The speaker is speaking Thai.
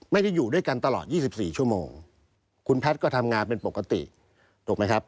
อยู่ด้วยกันตลอด๒๔ชั่วโมงคุณแพทย์ก็ทำงานเป็นปกติถูกไหมครับ